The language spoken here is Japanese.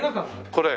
これ。